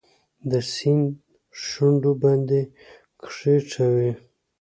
د سیند شونډو باندې کښېښوي